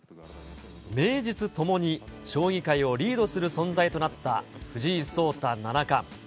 名実ともに将棋界をリードする存在となった藤井聡太七冠。